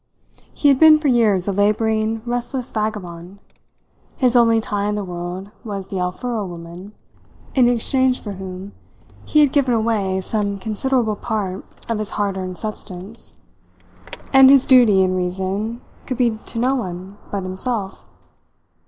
He had been for years a labouring restless vagabond. His only tie in the world was the Alfuro woman, in exchange for whom he had given away some considerable part of his hard earned substance; and his duty, in reason, could be to no one but himself.